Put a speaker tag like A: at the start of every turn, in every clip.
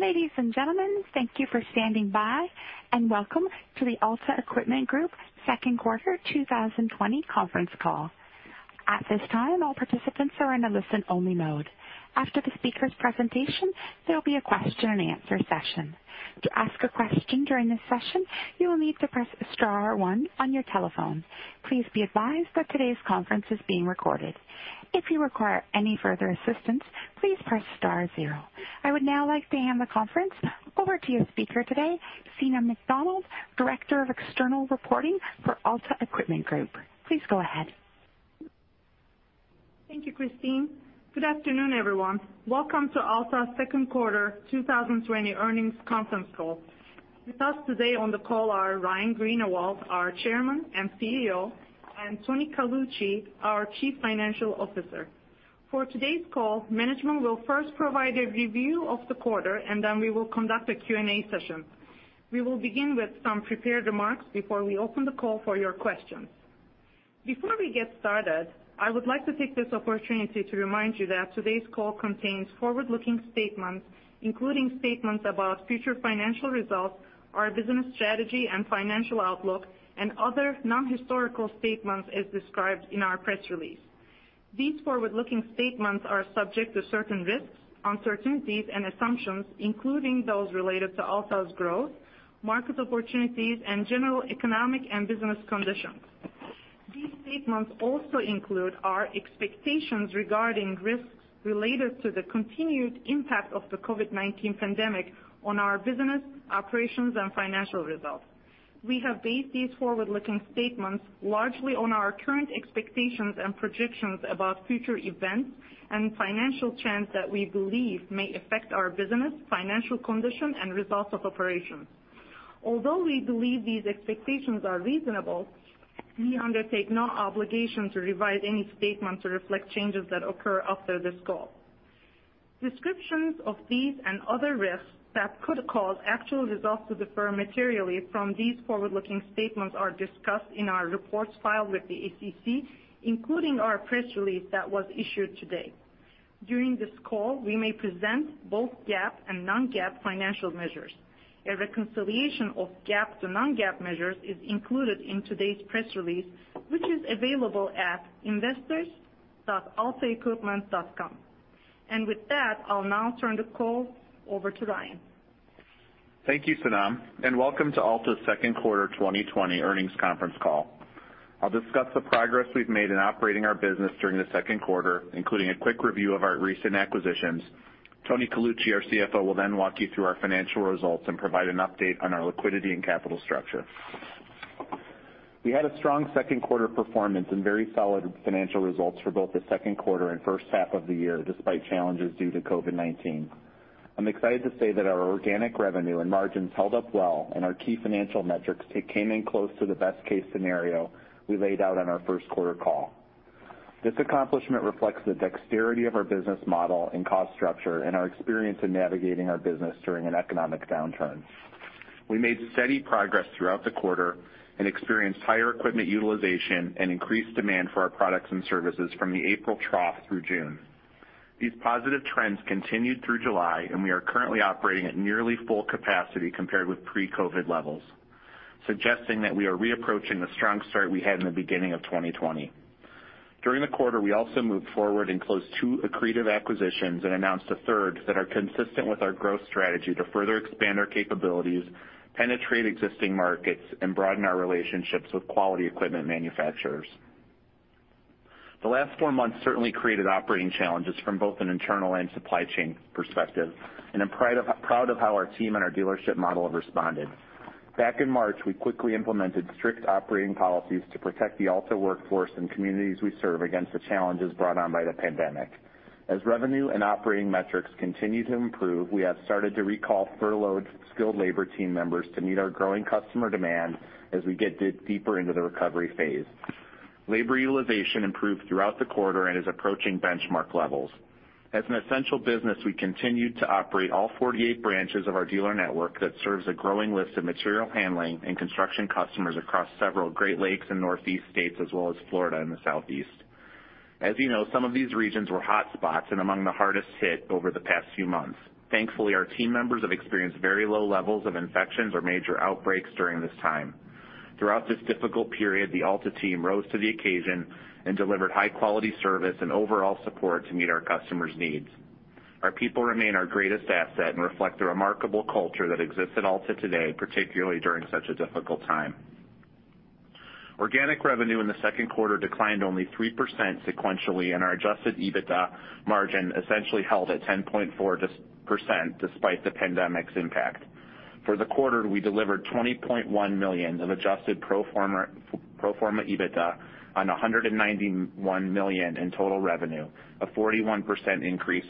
A: Ladies and gentlemen, thank you for standing by, and welcome to the Alta Equipment Group Q2 2020 conference call. At this time, all participants are in a listen-only mode. After the speakers presentation, there will be a question-and-answer session. To ask a question during the session, you will need to press star one on your telephone. Please be advised that todays conference is being recorded. If you require any further assistance, please press star zero. I would now like to hand the conference over to your speaker today, Sinem MacDonald, Director of External Reporting for Alta Equipment Group. Please go ahead.
B: Thank you, Christine. Good afternoon, everyone. Welcome to Alta's Q2 2020 earnings conference call. With us today on the call are Ryan Greenawalt, our Chairman and CEO, and Tony Colucci, our Chief Financial Officer. For today's call, management will first provide a review of the quarter, and then we will conduct a Q&A session. We will begin with some prepared remarks before we open the call for your questions. Before we get started, I would like to take this opportunity to remind you that today's call contains forward-looking statements, including statements about future financial results, our business strategy and financial outlook, and other non-historical statements as described in our press release. These forward-looking statements are subject to certain risks, uncertainties, and assumptions, including those related to Alta's growth, market opportunities, and general economic and business conditions. These statements also include our expectations regarding risks related to the continued impact of the COVID-19 pandemic on our business, operations, and financial results. We have based these forward-looking statements largely on our current expectations and projections about future events and financial trends that we believe may affect our business, financial condition, and results of operations. Although we believe these expectations are reasonable, we undertake no obligation to revise any statements to reflect changes that occur after this call. Descriptions of these and other risks that could cause actual results to differ materially from these forward-looking statements are discussed in our reports filed with the SEC, including our press release that was issued today. During this call, we may present both GAAP and non-GAAP financial measures. A reconciliation of GAAP to non-GAAP measures is included in today's press release, which is available at investors.altaequipment.com. And with that, I'll now turn the call over to Ryan.
C: Thank you, Senam, and welcome to Alta's Q2 2020 earnings conference call. I'll discuss the progress we've made in operating our business during the Q2, including a quick review of our recent acquisitions. Tony Colucci, our CFO, will then walk you through our financial results and provide an update on our liquidity and capital structure. We had a strong Q2 performance and very solid financial results for both the Q2 and H1 of the year, despite challenges due to COVID-19. I'm excited to say that our organic revenue and margins held up well, and our key financial metrics came in close to the best-case scenario we laid out on our Q1 call. This accomplishment reflects the dexterity of our business model and cost structure and our experience in navigating our business during an economic downturn. We made steady progress throughout the quarter and experienced higher equipment utilization and increased demand for our products and services from the April trough through June. These positive trends continued through July, and we are currently operating at nearly full capacity compared with pre-COVID levels, suggesting that we are re-approaching the strong start we had in the beginning of 2020. During the quarter, we also moved forward and closed two accretive acquisitions and announced a third that are consistent with our growth strategy to further expand our capabilities, penetrate existing markets, and broaden our relationships with quality equipment manufacturers. The last four months certainly created operating challenges from both an internal and supply chain perspective, and I'm proud of how our team and our dealership model have responded. Back in March, we quickly implemented strict operating policies to protect the Alta workforce and communities we serve against the challenges brought on by the pandemic. As revenue and operating metrics continue to improve, we have started to recall furloughed skilled labor team members to meet our growing customer demand as we get deeper into the recovery phase. Labor utilization improved throughout the quarter and is approaching benchmark levels. As an essential business, we continued to operate all 48 branches of our dealer network that serves a growing list of material handling and construction customers across several Great Lakes and Northeast states, as well as Florida and the Southeast. As you know, some of these regions were hot spots and among the hardest hit over the past few months. Thankfully, our team members have experienced very low levels of infections or major outbreaks during this time. Throughout this difficult period, the Alta team rose to the occasion and delivered high-quality service and overall support to meet our customers' needs. Our people remain our greatest asset and reflect the remarkable culture that exists at Alta today, particularly during such a difficult time. Organic revenue in the Q2 declined only 3% sequentially, and our adjusted EBITDA margin essentially held at 10.4% despite the pandemic's impact. For the quarter, we delivered $20.1 million of adjusted pro forma EBITDA on $191 million in total revenue, a 41% increase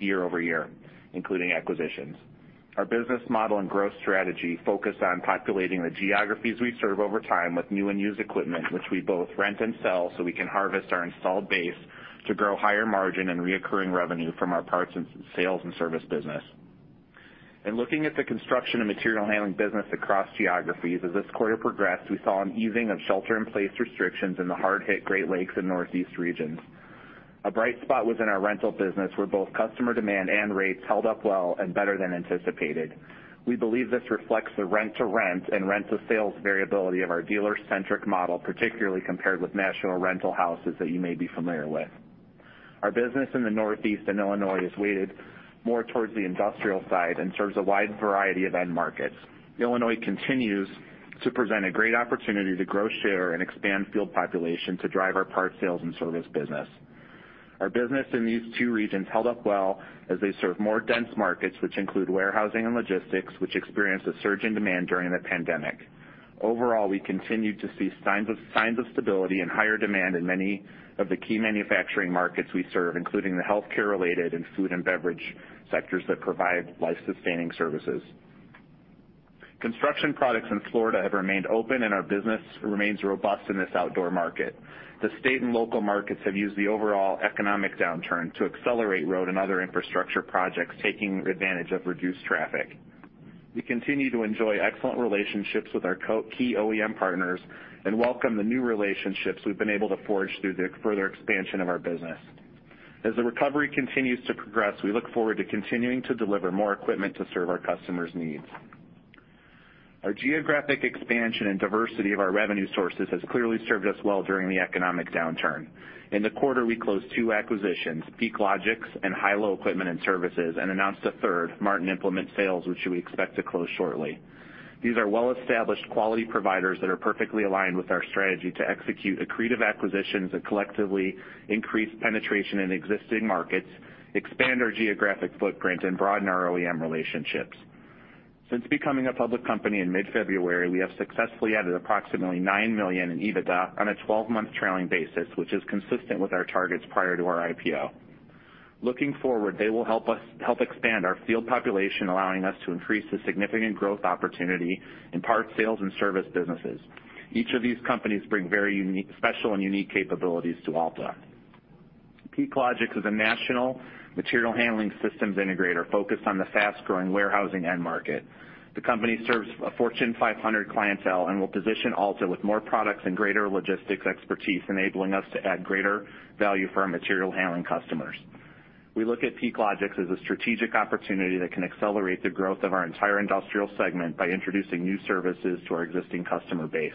C: year-over-year, including acquisitions. Our business model and growth strategy focus on populating the geographies we serve over time with new and used equipment, which we both rent and sell so we can harvest our installed base to grow higher margin and reoccurring revenue from our parts and sales and service business. In looking at the construction and material handling business across geographies, as this quarter progressed, we saw an easing of shelter-in-place restrictions in the hard-hit Great Lakes and Northeast regions. A bright spot was in our rental business, where both customer demand and rates held up well and better than anticipated. We believe this reflects the rent-to-rent and rent-to-sales variability of our dealer-centric model, particularly compared with national rental houses that you may be familiar with. Our business in the Northeast and Illinois is weighted more towards the industrial side and serves a wide variety of end markets. Illinois continues to present a great opportunity to grow, share, and expand field population to drive our parts sales and service business. Our business in these two regions held up well as they serve more dense markets, which include warehousing and logistics, which experienced a surge in demand during the pandemic. Overall, we continued to see signs of stability and higher demand in many of the key manufacturing markets we serve, including the healthcare-related and food and beverage sectors that provide life-sustaining services. Construction products in Florida have remained open, and our business remains robust in this outdoor market. The state and local markets have used the overall economic downturn to accelerate road and other infrastructure projects, taking advantage of reduced traffic. We continue to enjoy excellent relationships with our key OEM partners and welcome the new relationships we've been able to forge through the further expansion of our business. As the recovery continues to progress, we look forward to continuing to deliver more equipment to serve our customers' needs. Our geographic expansion and diversity of our revenue sources has clearly served us well during the economic downturn. In the quarter, we closed two acquisitions, PeakLogix and Hilo Equipment & Services, and announced a third, Martin Implement Sales, which we expect to close shortly. These are well-established quality providers that are perfectly aligned with our strategy to execute accretive acquisitions that collectively increase penetration in existing markets, expand our geographic footprint, and broaden our OEM relationships. Since becoming a public company in mid-February, we have successfully added approximately $9 million in EBITDA on a 12-month trailing basis, which is consistent with our targets prior to our IPO. Looking forward, they will help expand our field population, allowing us to increase the significant growth opportunity in parts sales and service businesses. Each of these companies bring very special and unique capabilities to Alta. PeakLogix is a national material handling systems integrator focused on the fast-growing warehousing end market. The company serves a Fortune 500 clientele and will position Alta with more products and greater logistics expertise, enabling us to add greater value for our material handling customers. We look at PeakLogix as a strategic opportunity that can accelerate the growth of our entire industrial segment by introducing new services to our existing customer base.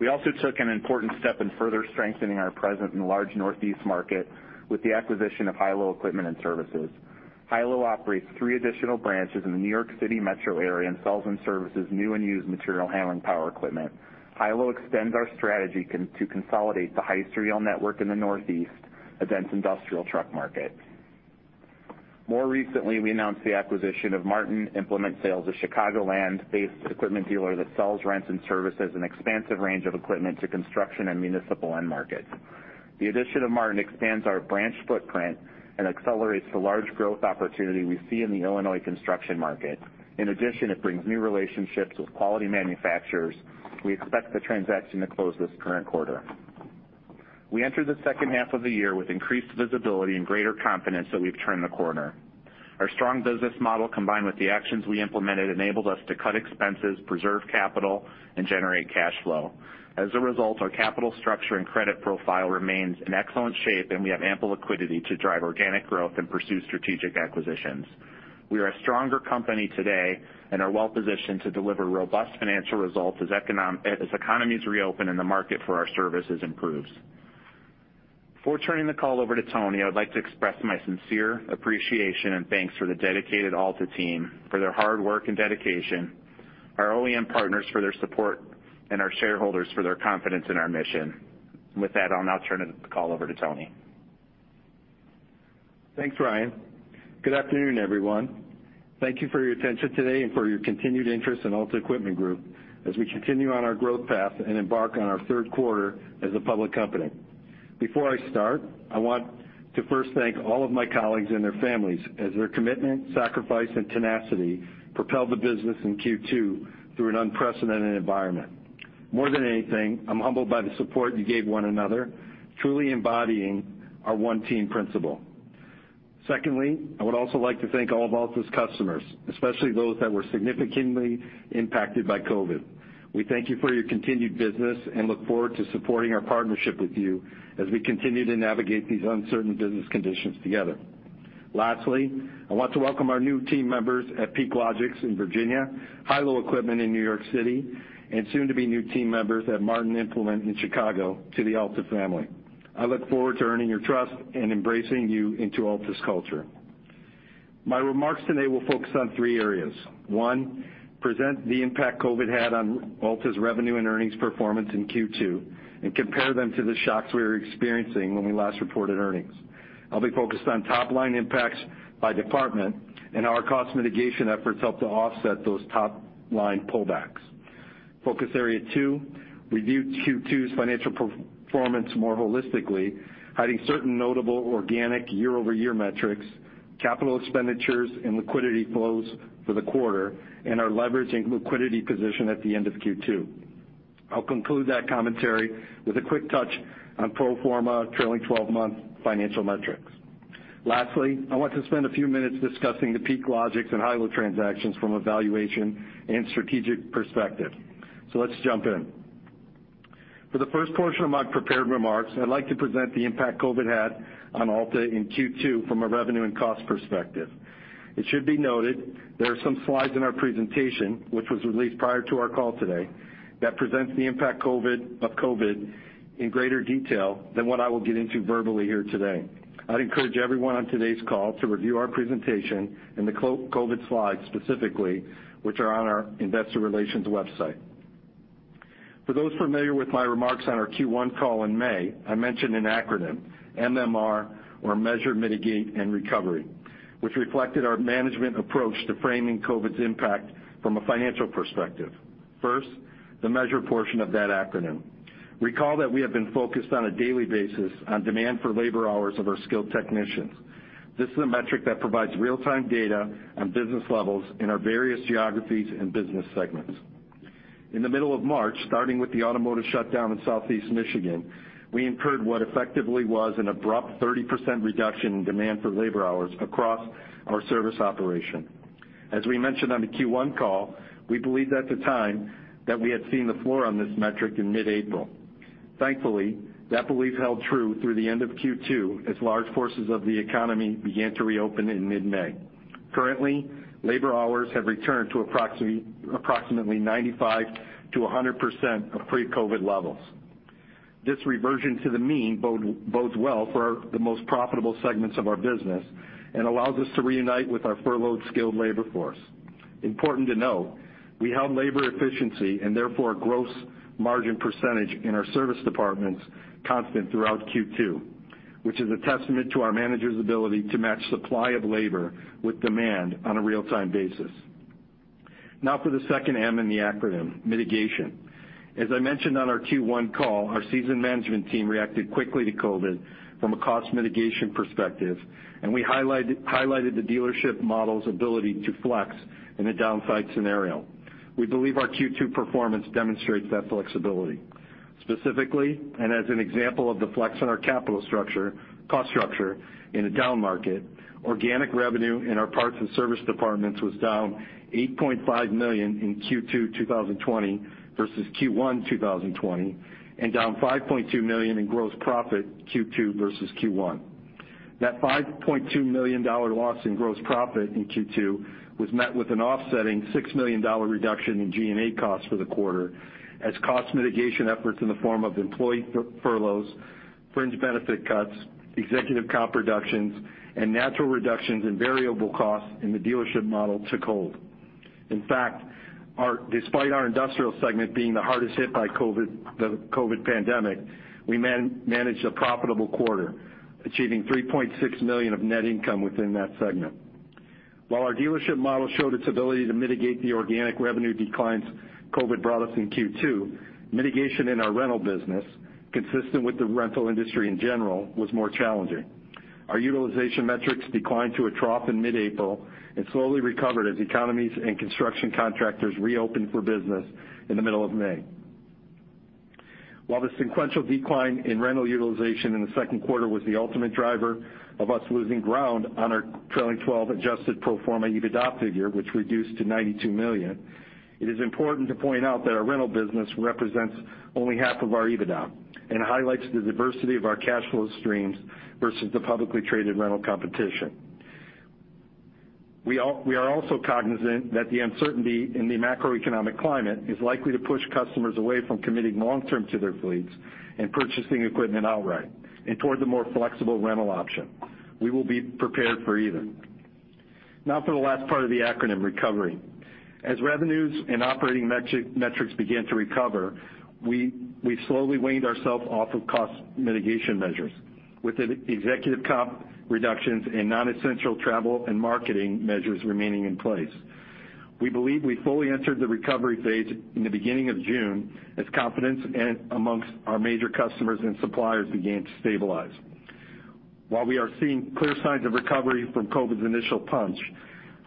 C: We also took an important step in further strengthening our presence in the large Northeast market with the acquisition of Hilo Equipment & Services. Hilo operates three additional branches in the New York City metro area and sells and services new and used material handling power equipment. Hilo extends our strategy to consolidate the Hyster dealer network in the Northeast, a dense industrial truck market. More recently, we announced the acquisition of Martin Implement Sales, a Chicagoland-based equipment dealer that sells, rents, and services an expansive range of equipment to construction and municipal end markets. The addition of Martin expands our branch footprint and accelerates the large growth opportunity we see in the Illinois construction market. In addition, it brings new relationships with quality manufacturers. We expect the transaction to close this current quarter. We enter the second half of the year with increased visibility and greater confidence that we've turned the corner. Our strong business model, combined with the actions we implemented, enabled us to cut expenses, preserve capital, and generate cash flow. As a result, our capital structure and credit profile remains in excellent shape, and we have ample liquidity to drive organic growth and pursue strategic acquisitions. We are a stronger company today and are well-positioned to deliver robust financial results as economies reopen and the market for our services improves. Before turning the call over to Tony, I would like to express my sincere appreciation and thanks for the dedicated Alta team for their hard work and dedication, our OEM partners for their support, and our shareholders for their confidence in our mission. With that, I'll now turn the call over to Tony.
D: Thanks, Ryan. Good afternoon, everyone. Thank you for your attention today and for your continued interest in Alta Equipment Group as we continue on our growth path and embark on our Q3 as a public company. Before I start, I want to first thank all of my colleagues and their families as their commitment, sacrifice, and tenacity propelled the business in Q2 through an unprecedented environment. More than anything, I'm humbled by the support you gave one another, truly embodying our One Team principle. Secondly, I would also like to thank all of Alta's customers, especially those that were significantly impacted by COVID. We thank you for your continued business and look forward to supporting our partnership with you as we continue to navigate these uncertain business conditions together. Lastly, I want to welcome our new team members at PeakLogix in Virginia, Hilo Equipment in New York City, and soon-to-be new team members at Martin Implement in Chicago to the Alta family. I look forward to earning your trust and embracing you into Alta's culture. My remarks today will focus on three areas. One, present the impact COVID-19 had on Alta's revenue and earnings performance in Q2 and compare them to the shocks we were experiencing when we last reported earnings. I'll be focused on top-line impacts by department and how our cost mitigation efforts help to offset those top-line pullbacks. Focus area two, review Q2's financial performance more holistically, highlighting certain notable organic year-over-year metrics, capital expenditures, and liquidity flows for the quarter, and our leverage and liquidity position at the end of Q2. I'll conclude that commentary with a quick touch on pro forma trailing 12-month financial metrics. Lastly I want to spend a few minutes discussing the PeakLogix and Hilo transactions from a valuation and strategic perspective. Let's jump in. For the first portion of my prepared remarks, I'd like to present the impact COVID had on Alta in Q2 from a revenue and cost perspective. It should be noted there are some slides in our presentation, which was released prior to our call today, that presents the impact of COVID in greater detail than what I will get into verbally here today. I'd encourage everyone on today's call to review our presentation and the COVID slides specifically, which are on our investor relations website. For those familiar with my remarks on our Q1 call in May, I mentioned an acronym, MMR, or measure, mitigate, and recovery, which reflected our management approach to framing COVID's impact from a financial perspective. First, the measure portion of that acronym. Recall that we have been focused on a daily basis on demand for labor hours of our skilled technicians. This is a metric that provides real-time data on business levels in our various geographies and business segments. In the middle of March, starting with the automotive shutdown in Southeast Michigan, we incurred what effectively was an abrupt 30% reduction in demand for labor hours across our service operation. As we mentioned on the Q1 call, we believed at the time that we had seen the floor on this metric in mid-April. Thankfully, that belief held true through the end of Q2 as large portions of the economy began to reopen in mid-May. Currently, labor hours have returned to approximately 95% to 100% of pre-COVID-19 levels. This reversion to the mean bodes well for the most profitable segments of our business and allows us to reunite with our furloughed skilled labor force. Important to note, we held labor efficiency, and therefore gross margin percentage in our service departments constant throughout Q2, which is a testament to our managers' ability to match supply of labor with demand on a real-time basis. Now for the second M in the acronym, mitigation. As I mentioned on our Q1 call, our seasoned management team reacted quickly to COVID-19 from a cost mitigation perspective, and we highlighted the dealership model's ability to flex in a downside scenario. We believe our Q2 performance demonstrates that flexibility. Specifically, as an example of the flex in our capital structure, cost structure in a down market, organic revenue in our parts and service departments was down $8.5 million in Q2 2020 versus Q1 2020, and down $5.2 million in gross profit Q2 versus Q1. That $5.2 million loss in gross profit in Q2 was met with an offsetting $6 million reduction in G&A costs for the quarter, as cost mitigation efforts in the form of employee furloughs, fringe benefit cuts, executive comp reductions, and natural reductions in variable costs in the dealership model took hold. In fact, despite our industrial segment being the hardest hit by the COVID-19 pandemic, we managed a profitable quarter, achieving $3.6 million of net income within that segment. While our dealership model showed its ability to mitigate the organic revenue declines COVID brought us in Q2, mitigation in our rental business, consistent with the rental industry in general, was more challenging. Our utilization metrics declined to a trough in mid-April and slowly recovered as economies and construction contractors reopened for business in the middle of May. While the sequential decline in rental utilization in the Q2 was the ultimate driver of us losing ground on our trailing 12 adjusted pro forma EBITDA figure, which reduced to $92 million, it is important to point out that our rental business represents only half of our EBITDA and highlights the diversity of our cash flow streams versus the publicly traded rental competition. We are also cognizant that the uncertainty in the macroeconomic climate is likely to push customers away from committing long-term to their fleets and purchasing equipment outright, and towards a more flexible rental option. We will be prepared for either. Now for the last part of the acronym, recovery. As revenues and operating metrics began to recover, we slowly weaned ourselves off of cost mitigation measures, with executive comp reductions and non-essential travel and marketing measures remaining in place. We believe we fully entered the recovery phase in the beginning of June, as confidence amongst our major customers and suppliers began to stabilize. While we are seeing clear signs of recovery from COVID's initial punch,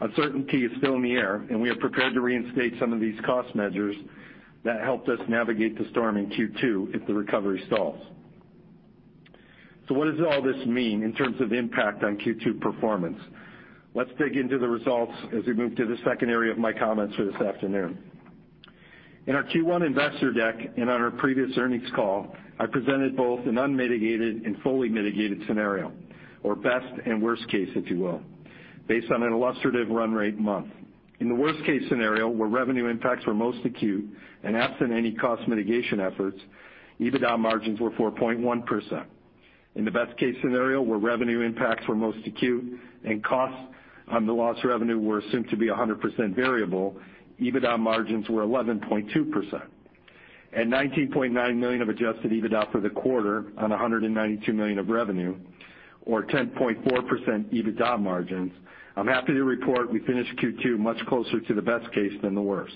D: uncertainty is still in the air, and we are prepared to reinstate some of these cost measures that helped us navigate the storm in Q2 if the recovery stalls. What does all this mean in terms of impact on Q2 performance? Let's dig into the results as we move to the second area of my comments for this afternoon. In our Q1 investor deck and on our previous earnings call, I presented both an unmitigated and fully mitigated scenario, or best and worst case, if you will, based on an illustrative run rate month. In the worst-case scenario, where revenue impacts were most acute and absent any cost mitigation efforts, EBITDA margins were 4.1%. In the best-case scenario, where revenue impacts were most acute and costs on the lost revenue were assumed to be 100% variable, EBITDA margins were 11.2%. And $19.9 million of adjusted EBITDA for the quarter on $192 million of revenue, or 10.4% EBITDA margins, I'm happy to report we finished Q2 much closer to the best case than the worst.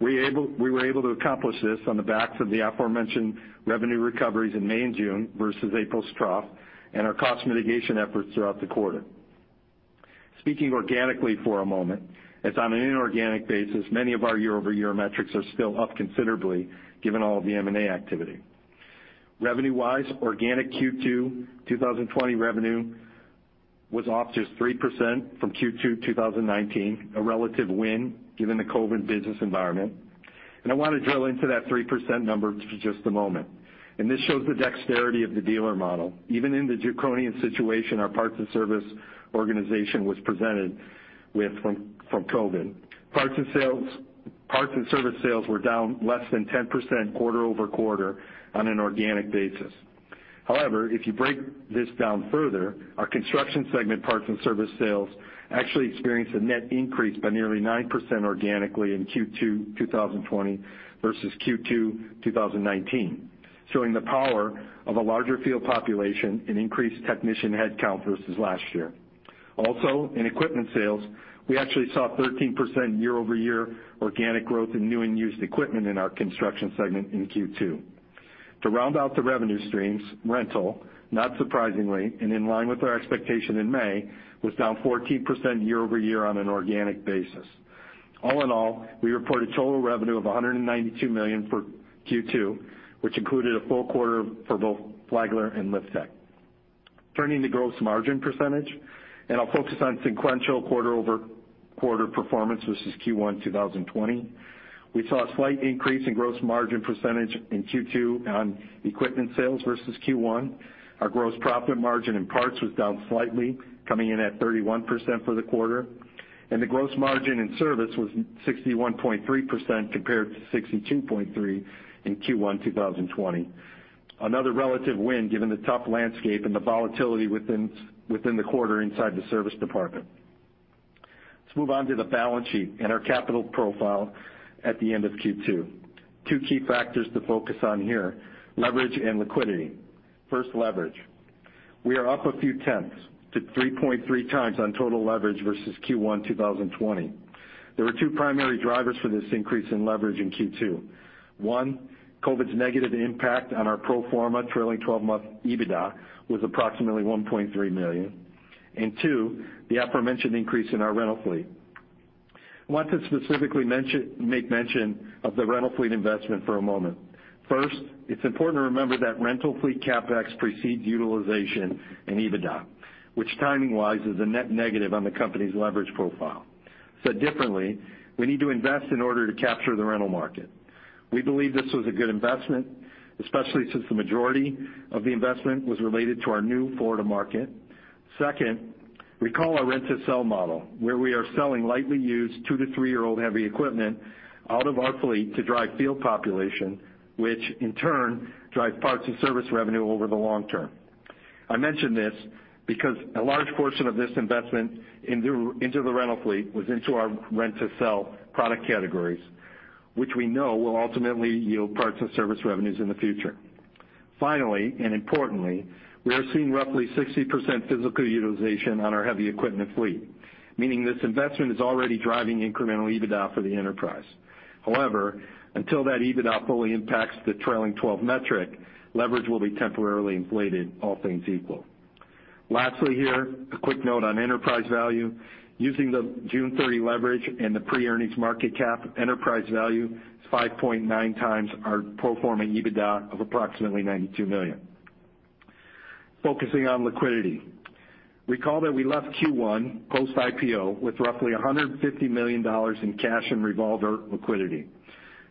D: We were able to accomplish this on the backs of the aforementioned revenue recoveries in May and June versus April's trough and our cost mitigation efforts throughout the quarter. Speaking organically for a moment, as on an inorganic basis, many of our year-over-year metrics are still up considerably given all the M&A activity. Revenue-wise, organic Q2 2020 revenue was off just 3% from Q2 2019, a relative win given the COVID business environment. I want to drill into that 3% number for just a moment. This shows the dexterity of the dealer model. Even in the draconian situation our parts and service organization was presented with from COVID. Parts and service sales were down less than 10% quarter-over-quarter on an organic basis. However, if you break this down further, our construction segment parts and service sales actually experienced a net increase by nearly 9% organically in Q2 2020 versus Q2 2019, showing the power of a larger field population and increased technician headcount versus last year. Also, in equipment sales, we actually saw 13% year-over-year organic growth in new and used equipment in our construction segment in Q2. To round out the revenue streams, rental, not surprisingly and in line with our expectation in May, was down 14% year-over-year on an organic basis. All in all, we reported total revenue of $192 million for Q2, which included a full quarter for both Flagler and Liftech. Turning to gross margin percentage, and I'll focus on sequential quarter-over-quarter performance versus Q1 2020. We saw a slight increase in gross margin percentage in Q2 on equipment sales versus Q1. Our gross profit margin in parts was down slightly, coming in at 31% for the quarter, and the gross margin in service was 61.3% compared to 62.3% in Q1 2020. Another relative win given the tough landscape and the volatility within the quarter inside the service department. So let's move on to the balance sheet and our capital profile at the end of Q2. Two key factors to focus on here, leverage and liquidity. First, leverage. We are up a few tenths to three point three times on total leverage versus Q1 2020. There were two primary drivers for this increase in leverage in Q2. One, COVID's negative impact on our pro forma trailing 12-month EBITDA was approximately $1.3 million. Two, the aforementioned increase in our rental fleet. I want to specifically make mention of the rental fleet investment for a moment. First, it's important to remember that rental fleet CapEx precedes utilization and EBITDA, which timing-wise is a net negative on the company's leverage profile. Said differently, we need to invest in order to capture the rental market. We believe this was a good investment, especially since the majority of the investment was related to our new Florida market. Second, recall our rent-to-sell model, where we are selling lightly used two to three-year-old heavy equipment out of our fleet to drive field population, which in turn drive parts and service revenue over the long term. I mention this because a large portion of this investment into the rental fleet was into our rent-to-sell product categories, which we know will ultimately yield parts and service revenues in the future. Finally, and importantly, we are seeing roughly 60% physical utilization on our heavy equipment fleet, meaning this investment is already driving incremental EBITDA for the enterprise. However, until that EBITDA fully impacts the trailing 12 metric, leverage will be temporarily inflated, all things equal. Lastly here, a quick note on enterprise value. Using the June 30 leverage and the pre-earnings market cap, enterprise value is five point nine times our pro forma EBITDA of approximately $92 million. Focusing on liquidity. Recall that we left Q1 post-IPO with roughly $150 million in cash and revolver liquidity.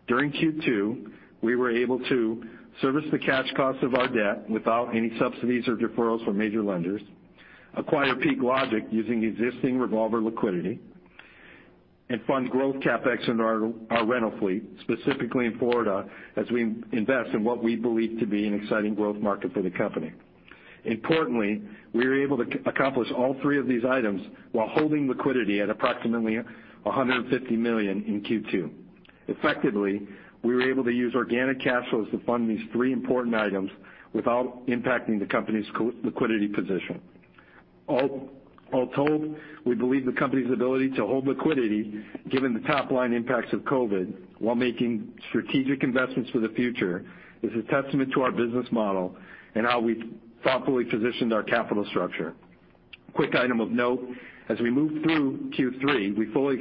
D: During Q2, we were able to service the cash cost of our debt without any subsidies or deferrals from major lenders, acquire PeakLogix using existing revolver liquidity, and fund growth CapEx in our rental fleet, specifically in Florida, as we invest in what we believe to be an exciting growth market for the company. Importantly, we were able to accomplish all three of these items while holding liquidity at approximately $150 million in Q2. Effectively, we were able to use organic cash flows to fund these three important items without impacting the company's liquidity position. All told, we believe the company's ability to hold liquidity, given the top-line impacts of COVID-19, while making strategic investments for the future, is a testament to our business model and how we've thoughtfully positioned our capital structure. Quick item of note. As we move through Q3, we fully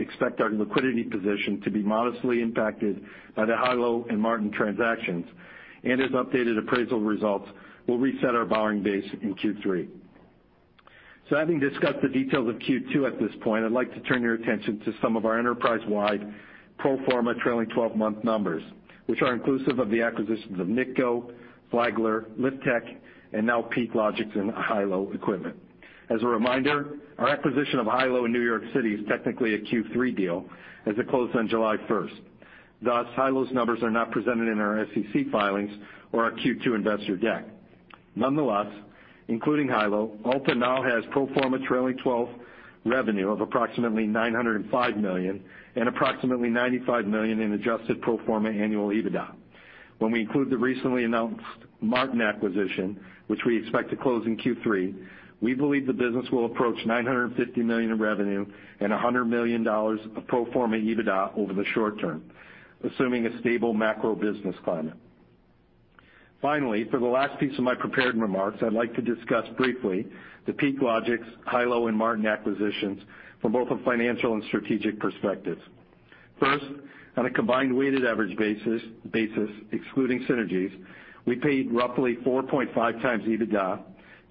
D: expect our liquidity position to be modestly impacted by the Hilo and Martin transactions, and as updated appraisal results will reset our borrowing base in Q3. Having discussed the details of Q2 at this point, I'd like to turn your attention to some of our enterprise-wide pro forma trailing 12-month numbers, which are inclusive of the acquisitions of Nitco, Flagler, Liftech, and now PeakLogix and Hilo Equipment. As a reminder, our acquisition of Hilo in New York City is technically a Q3 deal, as it closed on July 1st. Thus, Hilo's numbers are not presented in our SEC filings or our Q2 investor deck. Nonetheless, including Hilo, Alta now has pro forma trailing 12 revenue of approximately $905 million and approximately $95 million in adjusted pro forma annual EBITDA. When we include the recently announced Martin acquisition, which we expect to close in Q3, we believe the business will approach $950 million in revenue and $100 million of pro forma EBITDA over the short term, assuming a stable macro business climate. For the last piece of my prepared remarks, I'd like to discuss briefly the PeakLogix, Hilo, and Martin acquisitions from both a financial and strategic perspective. On a combined weighted average basis, excluding synergies, we paid roughly four point five times EBITDA,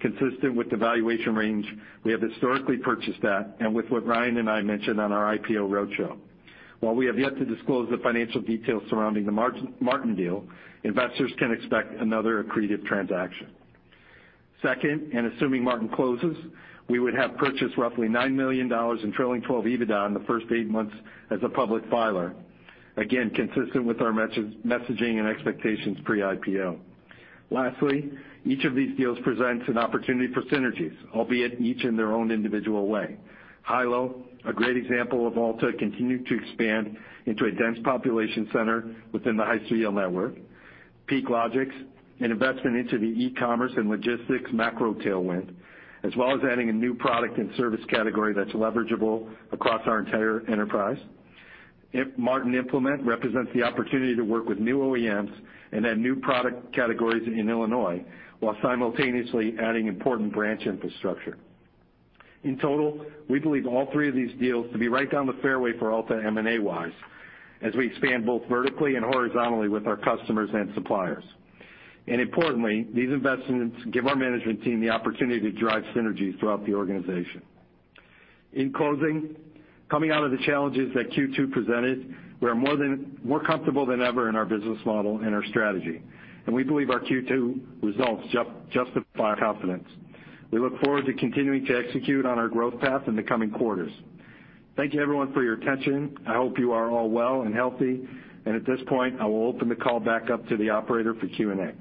D: consistent with the valuation range we have historically purchased at and with what Ryan and I mentioned on our IPO roadshow. While we have yet to disclose the financial details surrounding the Martin deal, investors can expect another accretive transaction. Assuming Martin closes, we would have purchased roughly $9 million in trailing 12 EBITDA in the first eight months as a public filer. Again, consistent with our messaging and expectations pre-IPO. Lastly, each of these deals presents an opportunity for synergies, albeit each in their own individual way. Hilo, a great example of Alta continuing to expand into a dense population center within the Hyster-Yale network. PeakLogix, an investment into the e-commerce and logistics macro tailwind, as well as adding a new product and service category that's leverageable across our entire enterprise. Martin Implement represents the opportunity to work with new OEMs and add new product categories in Illinois, while simultaneously adding important branch infrastructure. In total, we believe all three of these deals to be right down the fairway for Alta M&A-wise, as we expand both vertically and horizontally with our customers and suppliers. Importantly, these investments give our management team the opportunity to drive synergies throughout the organization. In closing, coming out of the challenges that Q2 presented, we are more comfortable than ever in our business model and our strategy, and we believe our Q2 results justify our confidence. We look forward to continuing to execute on our growth path in the coming quarters. Thank you, everyone, for your attention. I hope you are all well and healthy. At this point, I will open the call back up to the operator for Q&A.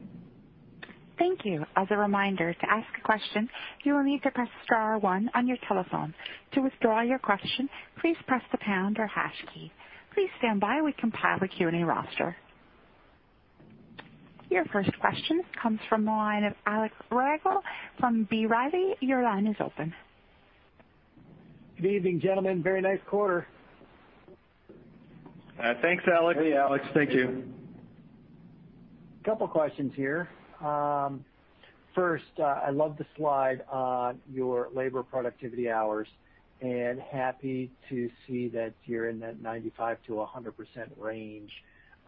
A: Thank you. As a reminder, to ask a question, you will need to press star one on your telephone. To withdraw your question, please press the pound or hash key. Please stand by while we compile the queue roster. Your first question comes from the line of Alex Rygiel from B. Riley. Your line is open.
E: Good evening, gentlemen. Very nice quarter.
D: Thanks, Alex. Hey, Alex. Thank you.
E: Couple questions here. First, I love the slide on your labor productivity hours, happy to see that you're in that 95% to 100% range.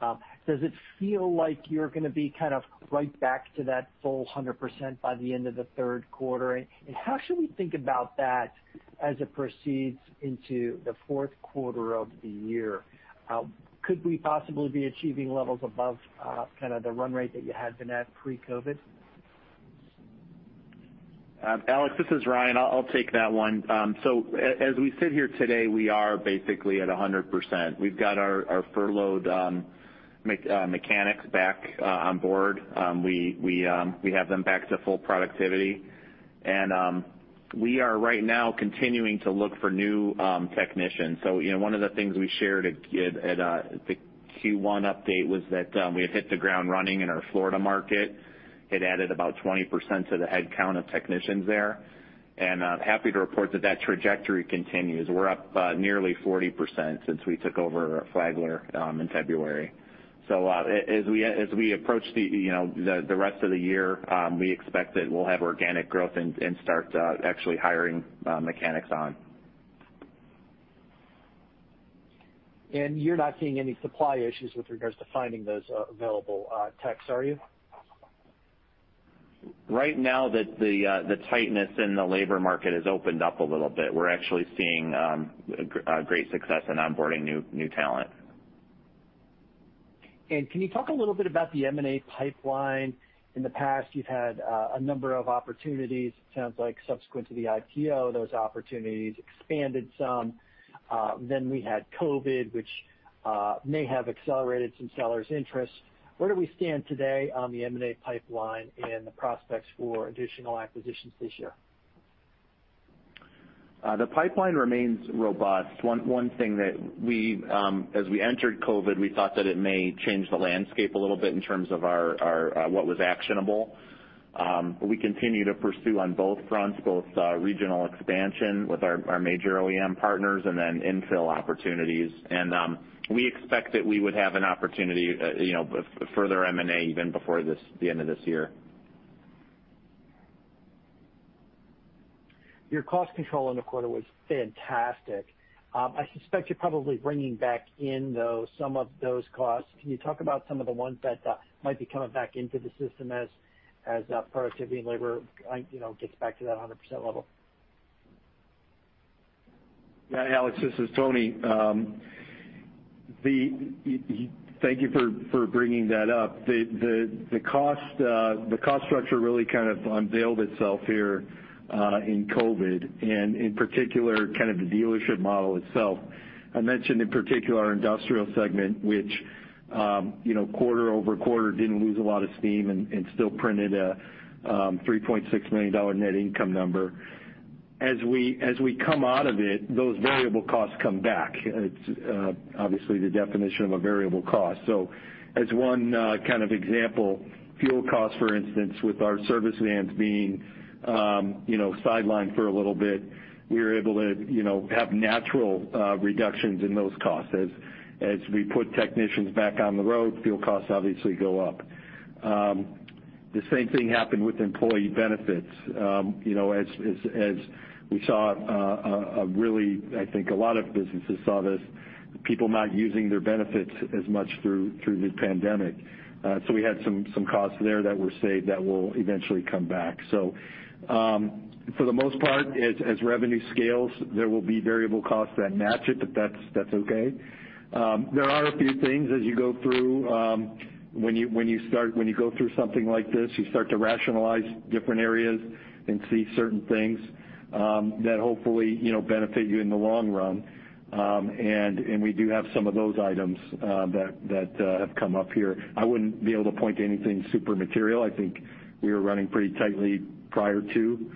E: Does it feel like you're going to be kind of right back to that full 100% by the end of the Q3? How should we think about that as it proceeds into the Q4 of the year? Could we possibly be achieving levels above kind of the run rate that you had been at pre-COVID?
C: Alex, this is Ryan. I'll take that one. As we sit here today, we are basically at 100%. We've got our furloughed mechanics back on board. We have them back to full productivity. And we are right now continuing to look for new technicians. One of the things we shared at the Q1 update was that we had hit the ground running in our Florida market. It added about 20% to the headcount of technicians there, and happy to report that trajectory continues. We're up nearly 40% since we took over Flagler in February. As we approach the rest of the year, we expect that we'll have organic growth and start actually hiring mechanics on.
E: And you're not seeing any supply issues with regards to finding those available techs, are you?
C: Right now, the tightness in the labor market has opened up a little bit. We're actually seeing great success in onboarding new talent.
E: Can you talk a little bit about the M&A pipeline? In the past, you've had a number of opportunities. It sounds like subsequent to the IPO, those opportunities expanded some. Then we had COVID, which may have accelerated some sellers' interest. Where do we stand today on the M&A pipeline and the prospects for additional acquisitions this year?
C: The pipeline remains robust. One thing that as we entered COVID, we thought that it may change the landscape a little bit in terms of what was actionable. We continue to pursue on both fronts, both regional expansion with our major OEM partners and then infill opportunities. We expect that we would have an opportunity for further M&A even before the end of this year.
E: Your cost control in the quarter was fantastic. I suspect you're probably bringing back in, though, some of those costs. Can you talk about some of the ones that might be coming back into the system as productivity and labor gets back to that 100% level?
D: Yeah, Alex, this is Tony. Thank you for bringing that up. The cost structure really kind of unveiled itself here in COVID, and in particular, kind of the dealership model itself. I mentioned in particular our industrial segment, which quarter-over-quarter didn't lose a lot of steam and still printed a $3.6 million net income number. As we come out of it, those variable costs come back. It's obviously the definition of a variable cost. As one kind of example, fuel costs, for instance, with our service vans being sidelined for a little bit, we were able to have natural reductions in those costs. As we put technicians back on the road, fuel costs obviously go up. The same thing happened with employee benefits. As we saw, really, I think a lot of businesses saw this, people not using their benefits as much through the pandemic. We had some costs there that were saved that will eventually come back. For the most part, as revenue scales, there will be variable costs that match it, but that's okay. There are a few things as you go through. When you go through something like this, you start to rationalize different areas and see certain things that hopefully benefit you in the long run. We do have some of those items that have come up here. I wouldn't be able to point to anything super material. I think we were running pretty tightly prior to.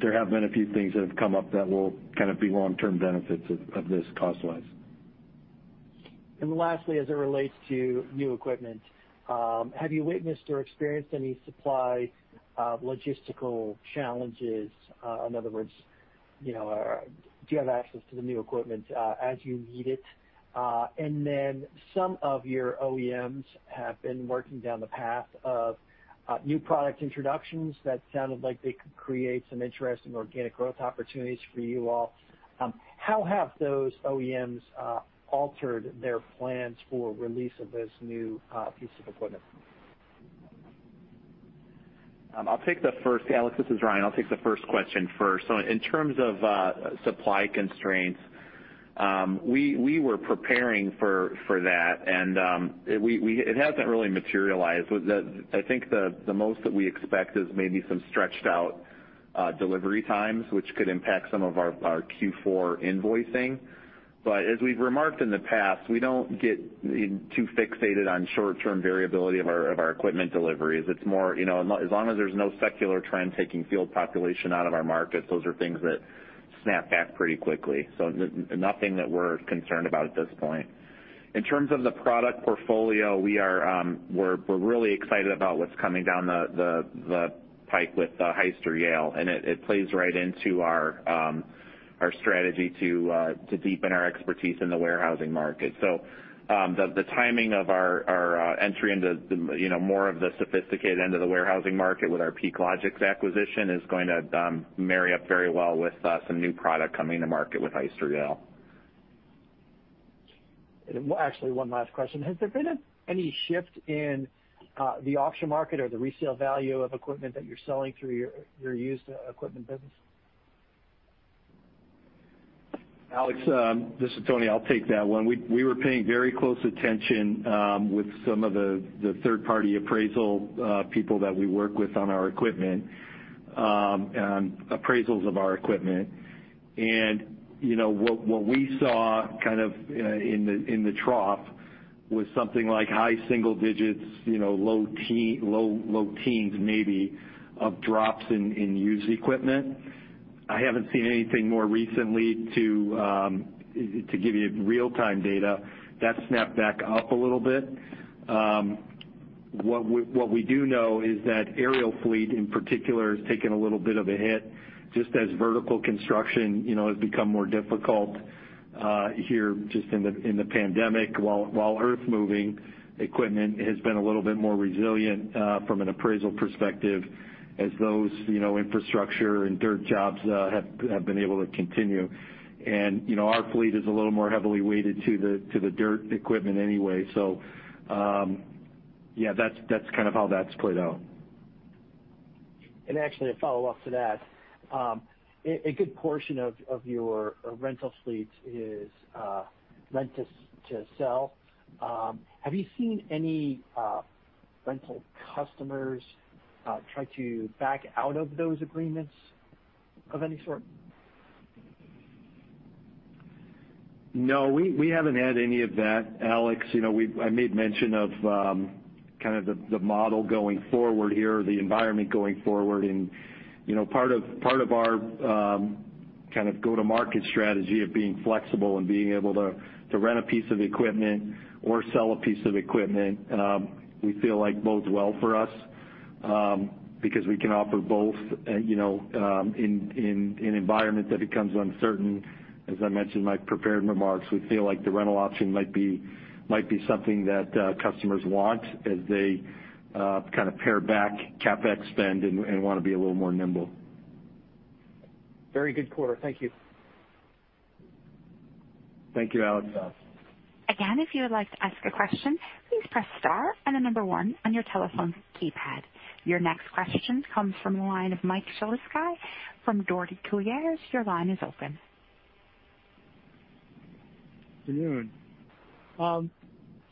D: There have been a few things that have come up that will kind of be long-term benefits of this cost-wise.
E: Lastly, as it relates to new equipment, have you witnessed or experienced any supply logistical challenges? In other words, do you have access to the new equipment as you need it? Then some of your OEMs have been working down the path of new product introductions. That sounded like they could create some interesting organic growth opportunities for you all. How have those OEMs altered their plans for release of this new piece of equipment?
C: I'll take the first. Alex, this is Ryan. I'll take the first question first. In terms of supply constraints, we were preparing for that, and it hasn't really materialized. I think the most that we expect is maybe some stretched-out delivery times, which could impact some of our Q4 invoicing. As we've remarked in the past, we don't get too fixated on short-term variability of our equipment deliveries. As long as there's no secular trend taking field population out of our markets, those are things that snap back pretty quickly. Nothing that we're concerned about at this point. In terms of the product portfolio, we're really excited about what's coming down the pipe with Hyster-Yale, and it plays right into our strategy to deepen our expertise in the warehousing market. The timing of our entry into more of the sophisticated end of the warehousing market with our PeakLogix acquisition is going to marry up very well with some new product coming to market with Hyster-Yale.
E: Actually, one last question. Has there been any shift in the auction market or the resale value of equipment that you're selling through your used equipment business?
D: Alex, this is Tony. I'll take that one. We were paying very close attention with some of the third-party appraisal people that we work with on our equipment, appraisals of our equipment. And you know what we saw kind of in the trough was something like high single digits, low teens maybe, of drops in used equipment. I haven't seen anything more recently to give you real-time data. That snapped back up a little bit. What we do know is that aerial fleet, in particular, has taken a little bit of a hit, just as vertical construction has become more difficult here just in the Pandemic. While earth-moving equipment has been a little bit more resilient from an appraisal perspective as those infrastructure and dirt jobs have been able to continue. Our fleet is a little more heavily weighted to the dirt equipment anyway. Yeah, that's kind of how that's played out.
E: Actually, a follow-up to that. A good portion of your rental fleet is rent to sell. Have you seen any rental customers try to back out of those agreements of any sort?
D: No, we haven't had any of that, Alex. I made mention of kind of the model going forward here, the environment going forward. Part of our kind of go-to-market strategy of being flexible and being able to rent a piece of equipment or sell a piece of equipment we feel like bodes well for us, because we can offer both. In an environment that becomes uncertain, as I mentioned in my prepared remarks, we feel like the rental option might be something that customers want as they kind of pare back CapEx spend and want to be a little more nimble.
E: Very good quarter. Thank you.
D: Thank you, Alex.
A: Again, if you would like to ask a question, please press star and the number one on your telephone keypad. Your next question comes from the line of Michael Shlisky from Dougherty and Company. Your line is open.
F: Good afternoon.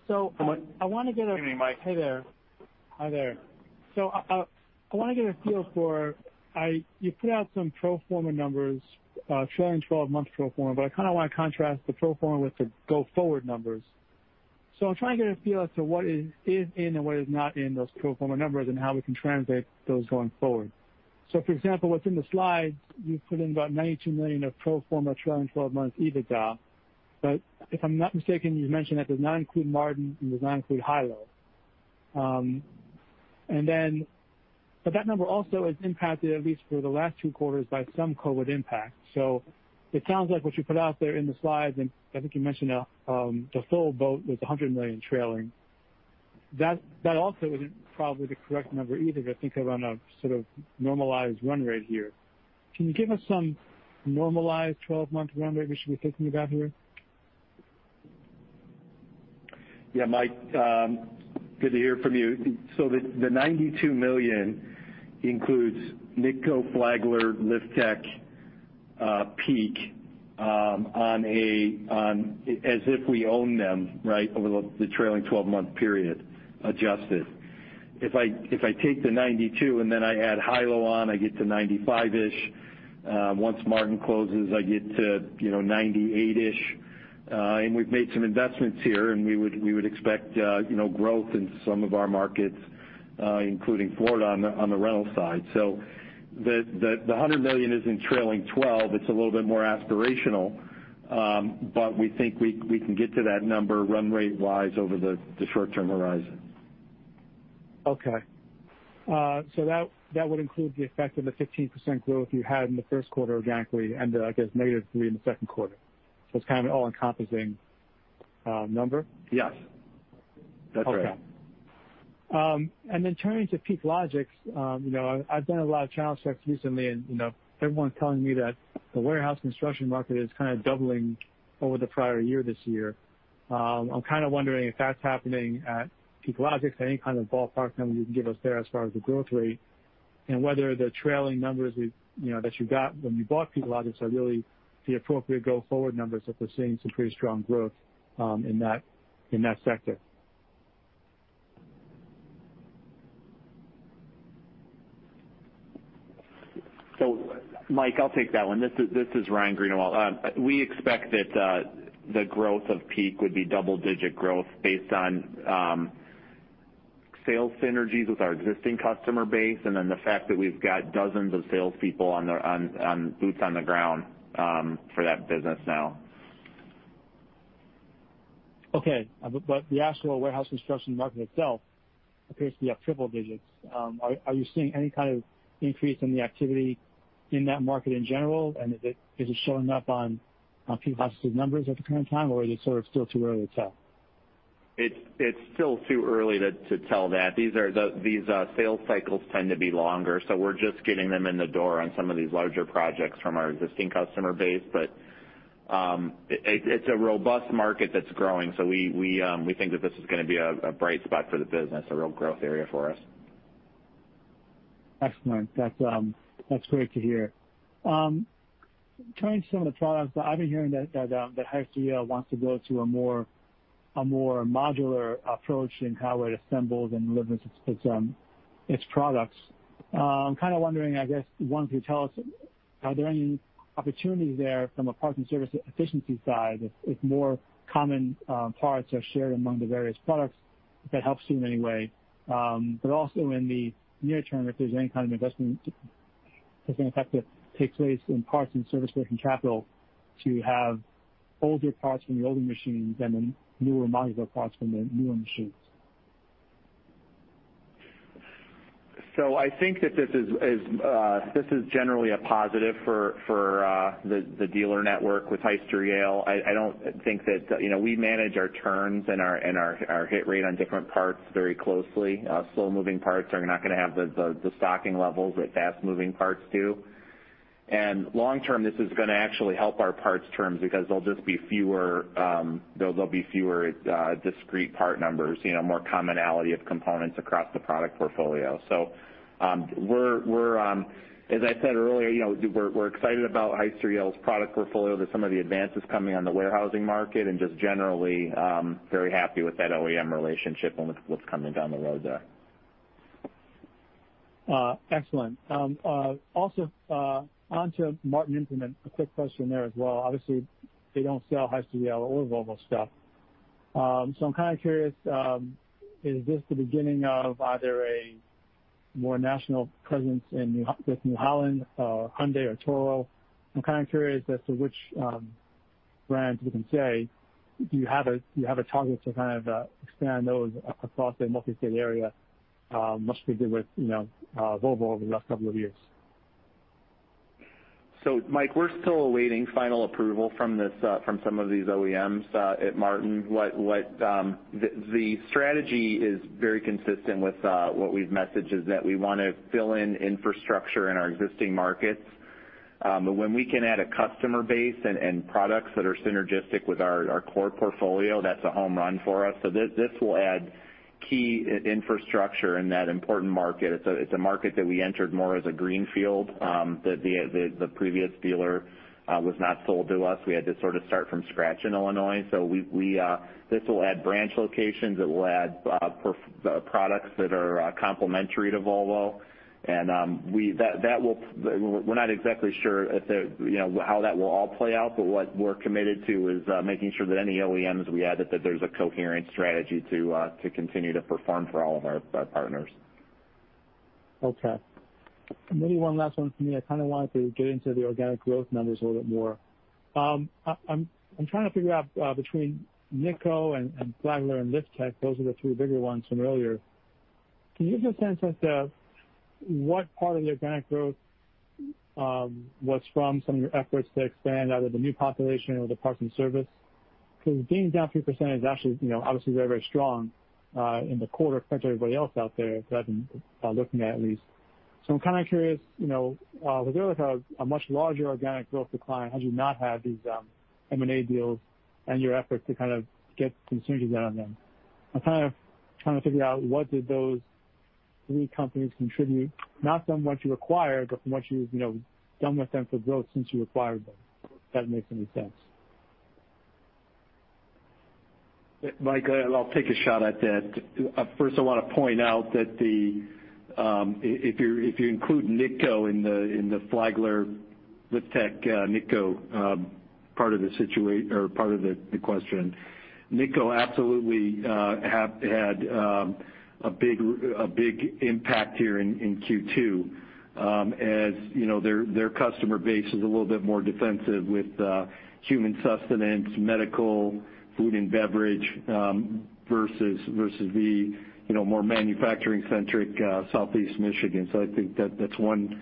D: Good evening, Mike. Hey there.
F: Hi there. So I want to get a feel for, you put out some pro forma numbers, trailing 12-month pro forma, but I kind of want to contrast the pro forma with the go-forward numbers. So I'm trying to get a feel as to what is in and what is not in those pro forma numbers, and how we can translate those going forward. So for example, what's in the slides, you put in about $92 million of pro forma trailing 12 months EBITDA. If I'm not mistaken, you mentioned that does not include Martin and does not include Hilo. That number also is impacted, at least for the last two quarters, by some COVID impact. It sounds like what you put out there in the slides, and I think you mentioned the full boat with $100 million trailing. That also isn't probably the correct number either if I think around a sort of normalized run rate here. Can you give us some normalized 12-month run rate we should be thinking about here?
D: Yeah, Mike. Good to hear from you. The $92 million includes Nitco, Flagler, Lifttech, Peak, as if we own them, right? Over the trailing 12-month period, adjusted. If I take the $92 and then I add Hilo on, I get to $95-ish. Once Martin closes, I get to $98-ish. We've made some investments here, and we would expect growth in some of our markets, including Florida on the rental side. The $100 million isn't trailing 12, it's a little bit more aspirational. But we think we can get to that number run rate-wise over the short-term horizon.
F: Okay. That would include the effect of the 15% growth you had in the Q1, exactly, and, I guess, negative three in the Q2. It's kind of an all-encompassing number?
D: Yes. That's right.
F: Okay. Turning to PeakLogix. I've done a lot of channel checks recently, and everyone's telling me that the warehouse construction market is kind of doubling over the prior year this year. I'm kind of wondering if that's happening at PeakLogix. Any kind of ballpark number you can give us there as far as the growth rate, and whether the trailing numbers that you got when you bought PeakLogix are really the appropriate go-forward numbers if we're seeing some pretty strong growth in that sector.
C: Michael, I'll take that one. This is Ryan Greenawalt. We expect that the growth of Peak would be double-digit growth based on sales synergies with our existing customer base, and then the fact that we've got dozens of salespeople on boots on the ground for that business now.
F: Okay. The actual warehouse construction market itself appears to be at triple digits. Are you seeing any kind of increase in the activity in that market in general? Is it showing up on PeakLogix's numbers at the current time, or is it sort of still too early to tell?
C: It's still too early to tell that. These sales cycles tend to be longer, so we're just getting them in the door on some of these larger projects from our existing customer base. It's a robust market that's growing. We think that this is gonna be a bright spot for the business, a real growth area for us.
F: Excellent. That's great to hear. Turning to some of the products, I've been hearing that Hyster-Yale wants to go to a more modular approach in how it assembles and delivers its products. I'm kind of wondering, I guess, one, could you tell us, are there any opportunities there from a parts and service efficiency side, if more common parts are shared among the various products, if that helps you in any way? But also in the near term, if there's any kind of investment that's going to have to take place in parts and service working capital to have older parts from the older machines and the newer modular parts from the newer machines.
C: I think that this is generally a positive for the dealer network with Hyster-Yale. We manage our turns and our hit rate on different parts very closely. Slow-moving parts are not gonna have the stocking levels that fast-moving parts do. Long-term, this is gonna actually help our parts turns because there'll be fewer discrete part numbers, more commonality of components across the product portfolio. As I said earlier, we're excited about Hyster-Yale's product portfolio. There's some of the advances coming on the warehousing market and just generally, very happy with that OEM relationship and with what's coming down the road there.
F: Excellent. Also, onto Martin Implement. A quick question there as well. Obviously, they don't sell Hyster-Yale or Volvo stuff. I'm kind of curious, is this the beginning of either a more national presence with New Holland or Hyundai or Toro? I'm kind of curious as to which brands you can say you have a target to kind of expand those across a multi-state area, much we did with Volvo over the last couple of years.
C: Michael, we're still awaiting final approval from some of these OEMs at Martin. The strategy is very consistent with what we've messaged, is that we want to fill in infrastructure in our existing markets. When we can add a customer base and products that are synergistic with our core portfolio, that's a home run for us. This will add key infrastructure in that important market. It's a market that we entered more as a greenfield. The previous dealer was not sold to us. We had to sort of start from scratch in Illinois. This will add branch locations. It will add products that are complementary to Volvo. We're not exactly sure how that will all play out. What we're committed to is making sure that any OEMs we add, that there's a coherent strategy to continue to perform for all of our partners.
F: Okay. Maybe one last one from me. I kind of wanted to get into the organic growth numbers a little bit more. I'm trying to figure out between Nitco and Flagler and Lift Tech, those are the two bigger ones from earlier. Can you give a sense as to what part of the organic growth was from some of your efforts to expand either the new population or the parts and service? Being down 3% is actually obviously very strong in the quarter compared to everybody else out there that I've been looking at least. I'm kind of curious, with a much larger organic growth decline, had you not had these M&A deals and your efforts to kind of get some synergies out of them. I'm trying to figure out what did those three companies contribute, not from what you acquired, but from what you've done with them for growth since you acquired them. If that makes any sense?
D: Michael, I'll take a shot at that. First, I want to point out that if you include Nitco in the Flagler, Liftech, Nitco part of the question. Nitco absolutely had a big impact here in Q2. As their customer base is a little bit more defensive with human sustenance, medical, food, and beverage, versus the more manufacturing-centric Southeast Michigan. I think that's one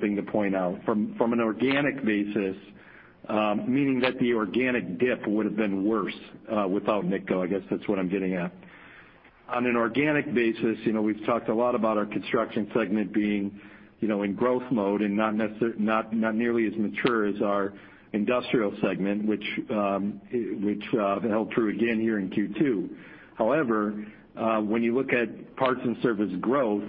D: thing to point out. From an organic basis, meaning that the organic dip would have been worse without Nitco, I guess that's what I'm getting at. On an organic basis, we've talked a lot about our construction segment being in growth mode and not nearly as mature as our industrial segment, which held true again here in Q2. However, when you look at parts and service growth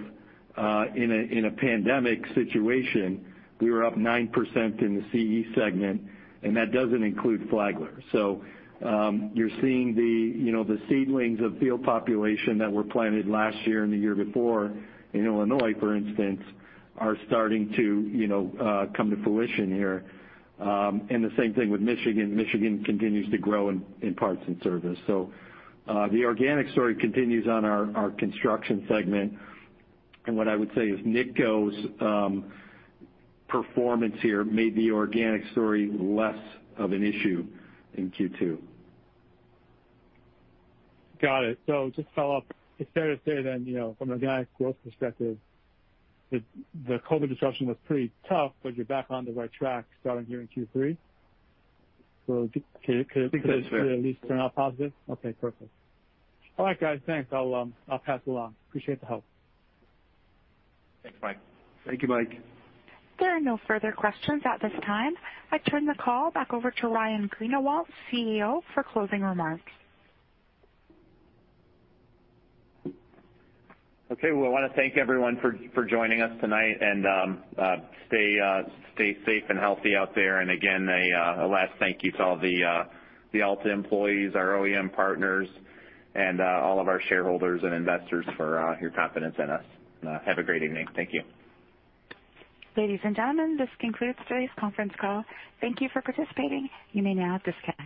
D: in a pandemic situation, we were up 9% in the CE segment, and that doesn't include Flagler. So you're seeing the seedlings of field population that were planted last year and the year before in Illinois, for instance, are starting to come to fruition here. The same thing with Michigan. Michigan continues to grow in parts and service. The organic story continues on our construction segment, and what I would say is Nitco's performance here made the organic story less of an issue in Q2.
F: Got it. Just to follow up, it's fair to say then, from organic growth perspective, the COVID disruption was pretty tough, but you're back on the right track starting here in Q3?
D: I think that is fair.
F: Could it at least turn out positive? Okay, perfect. All right, guys. Thanks. I'll pass along. Appreciate the help.
D: Thanks, Michael.
C: Thank you, Michael.
A: There are no further questions at this time. I turn the call back over to Ryan Greenawalt, CEO, for closing remarks.
C: Okay. Well, I want to thank everyone for joining us tonight and stay safe and healthy out there. Again, a last thank you to all the Alta employees, our OEM partners, and all of our shareholders and investors for your confidence in us. Have a great evening. Thank you.
A: Ladies and gentlemen, this concludes today's conference call. Thank you for participating. You may now disconnect.